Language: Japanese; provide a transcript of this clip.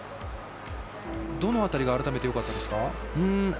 どの辺りがよかったですか。